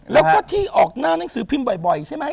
แล้วก็ที่ออกหน้านังสือพิมพ์บ่อยใช่ไหม